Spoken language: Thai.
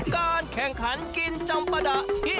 การแข่งขันกินจำปะดะที่